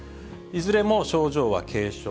いずれも症状は軽症。